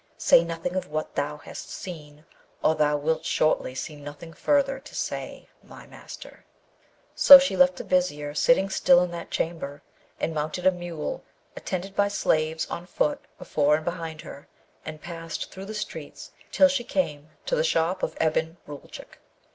Say nothing of what thou hast seen, or thou wilt shortly see nothing further to say, my master.' So she left the Vizier sitting still in that chamber, and mounted a mule, attended by slaves on foot before and behind her, and passed through the streets till she came to the shop of Ebn Roulchook.